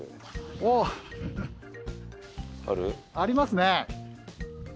おぉありますね。